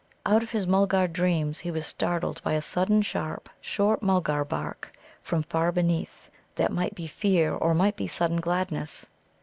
Out of his Mulgar dreams he was startled by a sudden, sharp, short Mulgar bark from far beneath, that might be fear or might be sudden gladness.